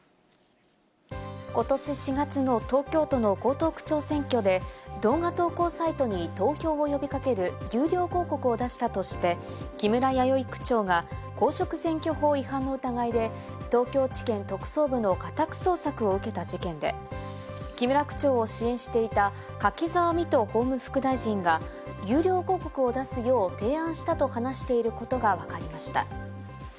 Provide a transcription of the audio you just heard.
ことし４月の東京都の江東区長選挙で動画投稿サイトに投票を呼びかける有料広告を出したとして、木村弥生区長が公職選挙法違反の疑いで東京地検特捜部の家宅捜索を受けた事件で、木村区長を支援していた柿沢未途法務副大臣が有料広告を出すよう提案したと話していることがわかりました。